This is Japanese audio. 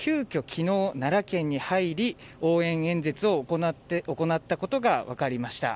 昨日奈良県に入り応援演説を行ったことが分かりました。